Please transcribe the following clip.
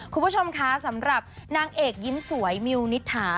คุณผู้ชมคะสำหรับนางเอกยิ้มสวยมิวนิษฐา